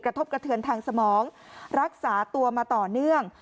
กระทบกระเทือนทางสมองรักษาตัวมาต่อเนื่อง